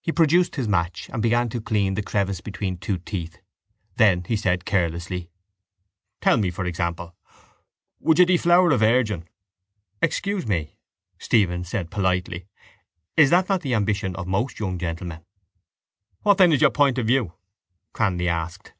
He produced his match and began to clean the crevice between two teeth. Then he said carelessly: —Tell me, for example, would you deflower a virgin? —Excuse me, Stephen said politely, is that not the ambition of most young gentlemen? —What then is your point of view? Cranly asked.